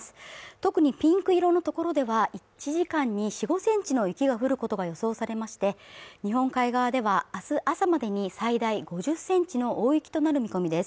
特にピンク色のところでは１時間に４５センチの雪が降ることが予想されまして日本海側ではあす朝までに最大５０センチの大雪となる見込みです